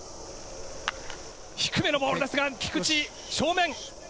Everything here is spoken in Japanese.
低めのボールですが、菊池、正面。